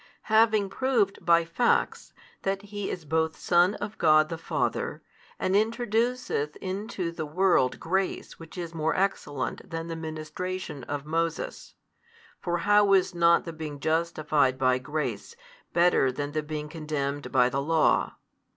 Having proved by facts, that He is both Son of God the Father, and introduceth into the world grace which is more excellent than the ministration of Moses (for how is not the being justified by grace better than the being condemned by the law?)